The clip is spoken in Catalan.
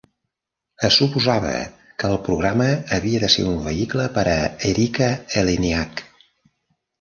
Es suposava que el programa havia de ser un vehicle per a Erika Eleniak.